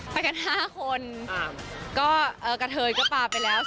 ไปกัน๕คนก็กะเทยก็ปลาไปแล้ว